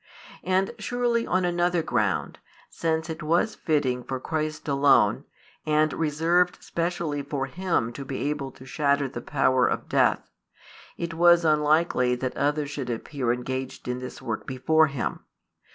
And surely on another ground, since it was fitting for Christ alone, and reserved specially for Him to be able to shatter the power of death, it was unlikely that others should appear engaged in this work before Him.